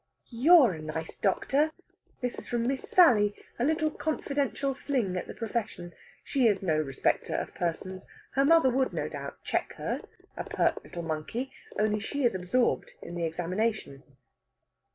"You're a nice doctor!" This is from Miss Sally; a little confidential fling at the profession. She is no respecter of persons. Her mother would, no doubt, check her a pert little monkey! only she is absorbed in the examination.